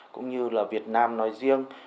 cũng như là việt nam nói riêng